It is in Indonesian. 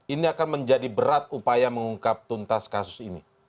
ini akan menjadi berat upaya mengungkap tuntas kasus ini